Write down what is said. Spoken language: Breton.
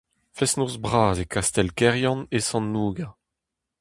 Fest-noz bras e kastell Keryann e Sant-Nouga.